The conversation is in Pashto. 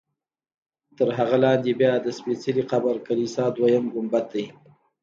تر هغه لاندې بیا د سپېڅلي قبر کلیسا دویم ګنبد دی.